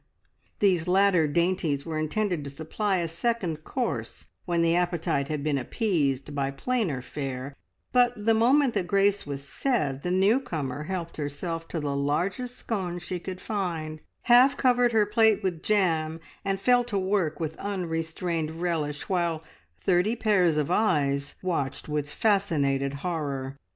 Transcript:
These latter dainties were intended to supply a second course when appetite had been appeased by plainer fare, but the moment that grace was said the new comer helped herself to the largest scone she could find, half covered her plate with jam, and fell to work with unrestrained relish, while thirty pairs of eyes watched with fascinated horror.